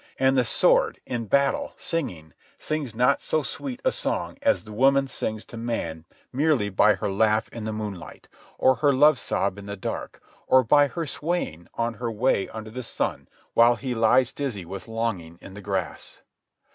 And the sword, in battle, singing, sings not so sweet a song as the woman sings to man merely by her laugh in the moonlight, or her love sob in the dark, or by her swaying on her way under the sun while he lies dizzy with longing in the grass.